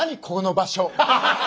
ここの場所。